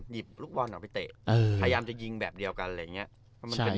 ลูกบอลออกไปเตะพยายามจะยิงแบบเดียวกันอะไรอย่างนี้